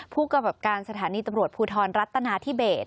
ผู้กำกับการสถานีตำรวจภูทรรัฐนาธิเบส